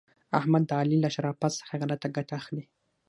احمد د علي له شرافت څخه غلته ګټه اخلي.